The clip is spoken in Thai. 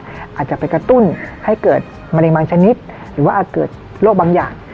อาจจะไปกระตุ้นให้เกิดมะเร็งบางชนิดหรือว่าอาจเกิดโรคบางอย่าง